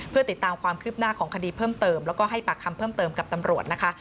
เพื่อติดตามความคืบหน้าของคดีเพิ่มเติมแล้วก็ให้ปากคำเพิ่มเติมกับตำรวจนะคะ